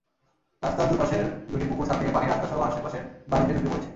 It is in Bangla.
রাস্তার দুপাশের দুটি পুকুর ছাপিয়ে পানি রাস্তাসহ আশপাশের বাড়িতে ঢুকে পড়েছে।